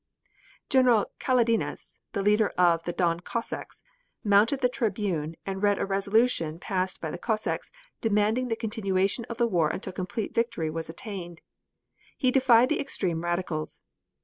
General Kaledines, leader of the Don Cossacks, mounted the tribune and read a resolution passed by the Cossacks demanding the continuation of the war until complete victory was attained. He defied the extreme Radicals.